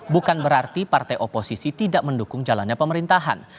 bukan berarti partai oposisi tidak mendukung jalannya pemerintahan